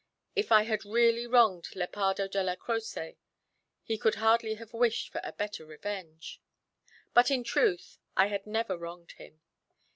If I had really wronged Lepardo Della Croce, he could hardly have wished for a better revenge. But in truth I had never wronged him.